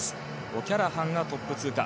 オキャラハンがトップ通過。